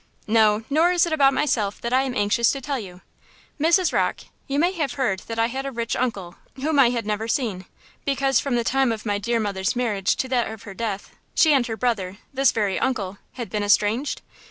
"No; nor is it about myself that I am anxious to tell you. Mrs. Rocke, you may have heard that I had a rich uncle whom I had never seen, because from the time of my dear mother's marriage to that of her death, she and her brother–this very uncle–had been estranged?"